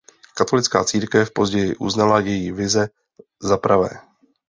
Katolická církev později uznala její vize za pravé.